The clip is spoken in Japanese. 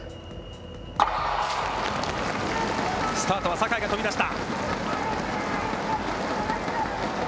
スタートは坂井が飛び出した。